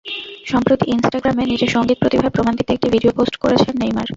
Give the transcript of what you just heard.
সম্প্রতি ইনস্টাগ্রামে নিজের সংগীত প্রতিভার প্রমাণ দিতে একটি ভিডিও পোস্ট করেছেন নেইমার।